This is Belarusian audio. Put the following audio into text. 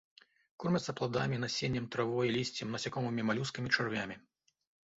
Кормяцца пладамі, насеннем, травой, лісцем, насякомымі, малюскамі, чарвямі.